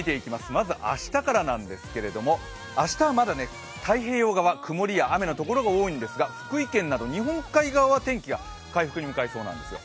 まず明日からなんですけど、明日はまだ太平洋側、曇りや雨のところが多いんですが、福井県など日本海側は天気が回復に向かいそうなんですよ。